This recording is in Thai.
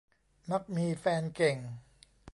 มักมีแฟนเก่ง